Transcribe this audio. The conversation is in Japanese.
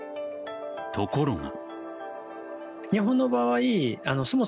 ところが。